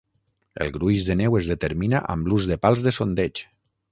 El gruix de neu es determina amb l'ús de pals de sondeig.